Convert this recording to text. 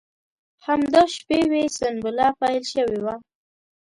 همدا شپې وې سنبله پیل شوې وه.